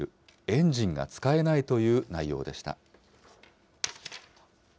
エンジンが使えないという内容でした。